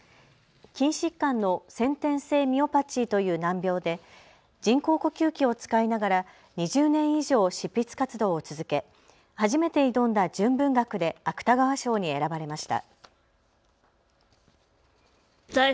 筋疾患の先天性ミオパチーという難病で人工呼吸器を使いながら２０年以上、執筆活動を続け初めて挑んだ純文学で芥川賞に選ばれました。